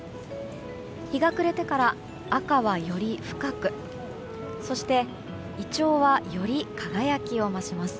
日が暮れてから、赤はより深くそして、イチョウはより輝きを増します。